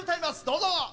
どうぞ！